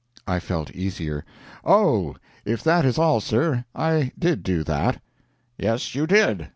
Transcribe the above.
I felt easier. "Oh, if that is all, sir, I did do that." "Yes, you did.